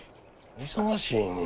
忙しいねん。